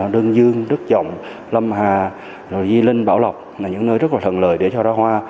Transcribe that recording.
rồi di linh bảo lộc là những nơi rất là thuận lợi để cho ra hoa